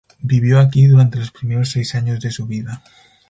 Vivió aquí durante los primeros seis años de su vida.